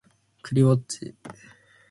クリぼっち